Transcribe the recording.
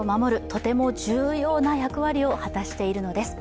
とても重要な役割を果たしているのです。